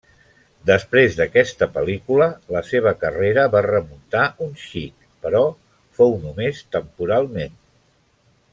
Després d'aquesta pel·lícula la seva carrera va remuntar un xic, però fou només temporalment.